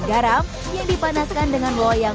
garam yang dipanaskan dengan loyang